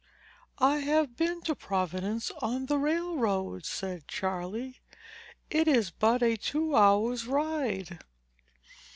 "I have been to Providence on the railroad," said Charley. "It is but a two hours' ride."